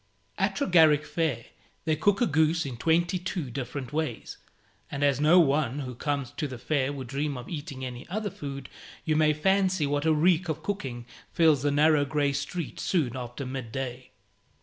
At Tregarrick Fair they cook a goose in twenty two different ways; and as no one who comes to the fair would dream of eating any other food, you may fancy what a reek of cooking fills the narrow grey street soon after mid day.